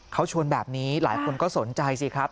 เขาชวนแบบนี้หลายคนก็สนใจสิครับ